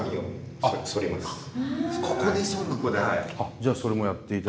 じゃあそれもやって頂いて。